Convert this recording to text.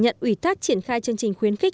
nhận ủy thác triển khai chương trình khuyến khích